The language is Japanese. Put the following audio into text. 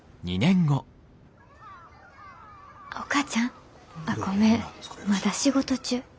お母ちゃんごめんまだ仕事中。